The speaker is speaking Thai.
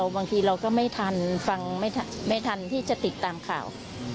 บางทีเราก็ไม่ทันฟังไม่ทันที่จะติดตามข่าว